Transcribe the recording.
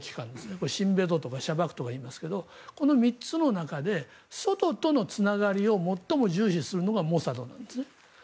これ、シンベトとかいいますがこの３つの中で外とのつながりを最も重視するのがモサドなんですね。